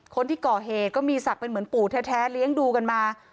คนที่ก่อเหตุก็มีศักดิ์เป็นเหมือนปู่แท้เลี้ยงดูกันมา